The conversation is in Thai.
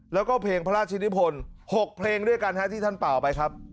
แล้วก็เพลงพระราชนิพล๖เพลงด้วยกันที่ท่านเป่าไปครับ